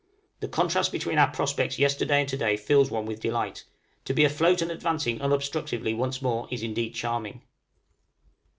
The contrast between our prospects yesterday and to day fills one with delight, to be afloat and advancing unobstructedly once more is indeed charming.